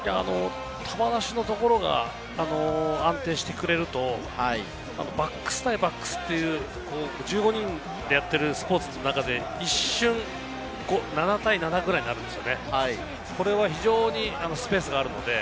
球出しのところが安定してくれるとバックス対バックスという、１５人でやってるスポーツの中で一瞬、７対７ぐらいになるんです。